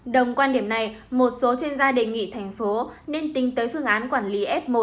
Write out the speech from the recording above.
đồng quan điểm này một số chuyên gia đề nghị thành phố nên tính tới phương án quản lý f một